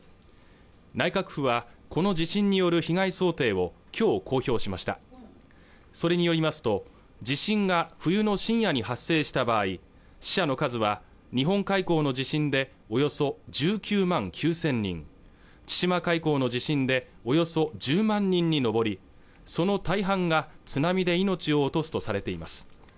内閣府はこの地震による被害想定をきょう公表しましたそれによりますと地震が冬の深夜に発生した場合死者の数は日本海溝の地震でおよそ１９万９０００人千島海溝の地震でおよそ１０万人に上りその大半が津波で命を落とすとされています